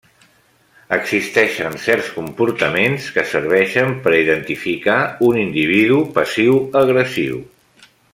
Existeixen certs comportaments que serveixen per a identificar un individu passiu-agressiu.